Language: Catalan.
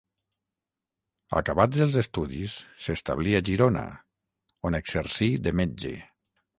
Acabats els estudis s'establí a Girona, on exercí de metge.